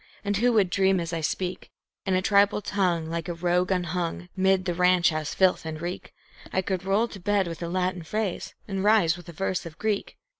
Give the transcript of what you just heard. And who would dream as I speak In a tribal tongue like a rogue unhung, 'mid the ranch house filth and reek, I could roll to bed with a Latin phrase and rise with a verse of Greek?